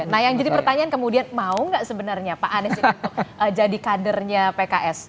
nah yang jadi pertanyaan kemudian mau nggak sebenarnya pak anies itu jadi kadernya pks